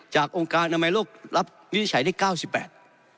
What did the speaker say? จากองค์การอมไลน์โลกรับวินิจฉัยได้๙๘บาท